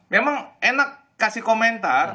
memang enak kasih komentar